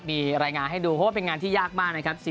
มีรายงานให้ดูเพราะว่าเป็นงานที่ยากมากนะครับ